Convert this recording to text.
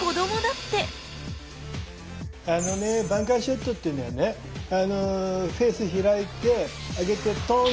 あのねバンカーショットっていうのはねあのフェース開いて上げてトーン。